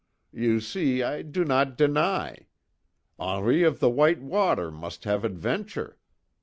You see, I do not deny. Henri of the White Water must have adventure.